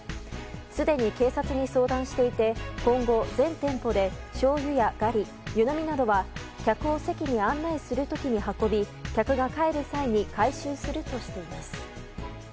すでに警察に相談していて今後、全店舗でしょうゆやガリ湯飲みなどは客を席に案内する時に運び客が帰る際に回収するとしています。